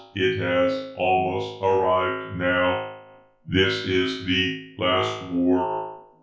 It has almost arrived now. This is the last war.